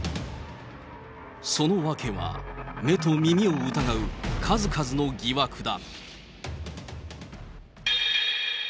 その訳は、目と耳を疑う数々の疑惑だ。